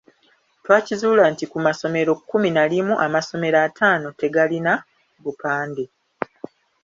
Twakizula nti ku masomero kkumi na limu amasomero ataano tegalina bupande.